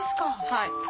はい。